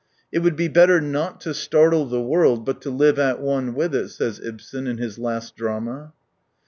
" It would be better not to startle the world, but to live at one with it," says Ibsen in his last drama.